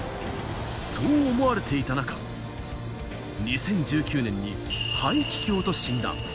そう思われていた中、２０１９年に肺気胸と診断。